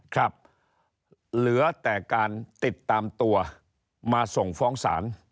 ครับเหลือแต่การติดตามตัวมาส่งฟ้องศาล